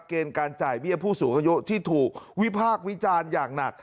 เกณฑ์การจ่ายเบี้ยผู้สูงอายุที่ถูกวิพากษ์วิจารณ์อย่างหนัก